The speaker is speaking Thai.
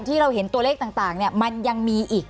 ที่เราเห็นตัวเลขต่างมันยังมีอีก